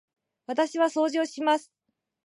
私は掃除をします。